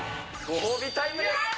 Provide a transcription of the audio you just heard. ご褒美タイムです。